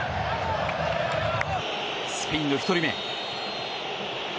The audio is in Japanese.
スペインの１人目。